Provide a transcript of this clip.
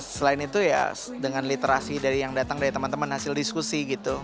selain itu ya dengan literasi yang datang dari teman teman hasil diskusi gitu